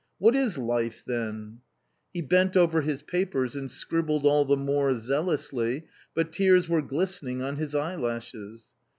What is life then ?" He bent over his papers and scribbled all the more zealously, but tears were glistening on his eyelashes.